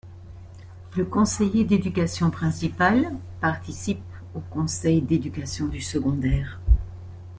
Le conseiller d’éducation principal participe au conseil d’éducation du secondaire.